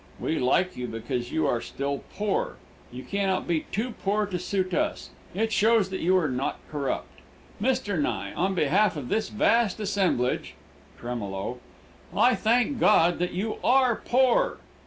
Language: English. We like you because you are still poor. You can not be too poor to suit us. It shows that you are not corrupt. "Mr. Nye, on behalf of this vast assemblage (tremulo), I thank God that you are POOR!!!"